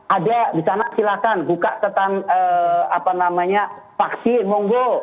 ada di sana silahkan buka ketan apa namanya vaksin monggo